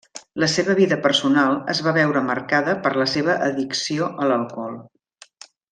La seva vida personal es va veure marcada per la seva addicció a l'alcohol.